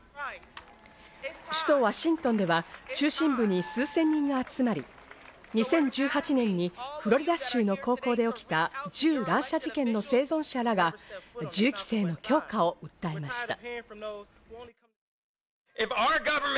首都ワシントンでは中心部に数千人が集まり、２０１８年にフロリダ州の高校で起きた銃乱射事件の生存者らが銃規制の強化を訴えました。